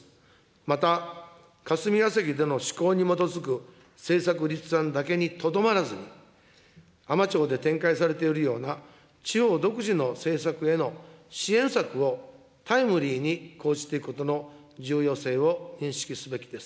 また、霞が関での思考に基づく政策立案だけにとどまらずに、海士町で展開されているような地方独自の政策への支援策をタイムリーに講じていくことの重要性を認識すべきです。